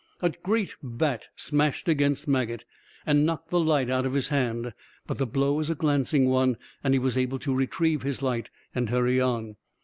A great bat smashed against Maget, and knocked the light out of his hand, but the blow was a glancing one, and he was able to retrieve his light and hurry on.